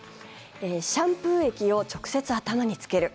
シャンプー液を直接頭につける。